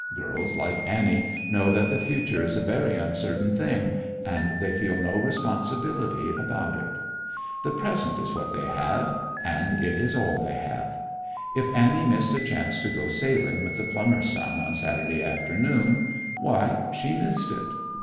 Girls like Annie know that the future is a very uncertain thing, and they feel no responsibility about it. The present is what they have and it is all they have. If Annie missed a chance to go sailing with the plumber's son on Saturday afternoon, why, she missed it.